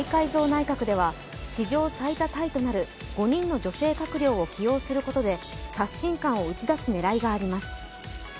内閣では史上最多タイとなる５人の女性閣僚を起用することで、刷新感を打ち出す狙いがあります。